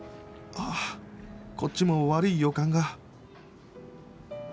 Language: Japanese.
あこっちも悪い予感が